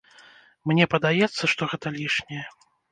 Мне падаецца, што гэта лішняе.